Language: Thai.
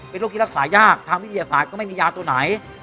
เป็นโรคที่รักษายากทางวิทยาศาสตร์ก็ไม่มียาตัวไหน